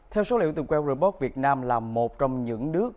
theo số liệu từ quail report việt nam là một trong những nước